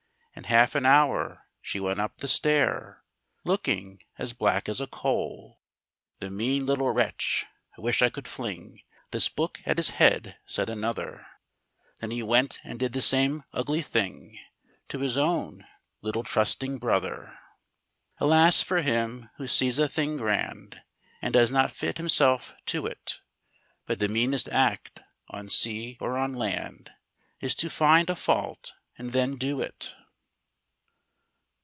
In half an hour she went up the stair, Looking as black as a coal! "The mean little wretch, I wish I could fling This book at his head!" said another; Then he went and did the same ugly thing To his own little trusting brother! Alas for him who sees a thing grand And does not fit himself to it! But the meanest act, on sea or on land, Is to find a fault, and then do it!